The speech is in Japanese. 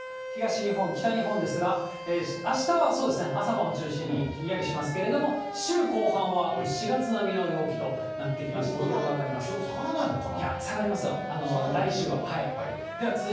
東日本、北日本ですが、あしたはそうですね、朝晩を中心にひんやりしますけれども、週後半は４月並みの陽気となってきまして、気温、これから気温下がらないのか下がりますよ、来週は。